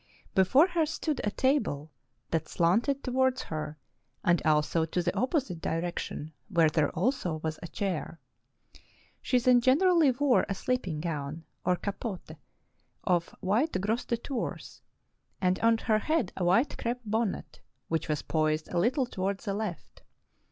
Before her stood a table that slanted towards her and also to the opposite direction where there was also a chair. She then generally wore a sleeping gown, or capote, of white gros de Tours, and on her head a white crepe bon net which was poised a little towards the left.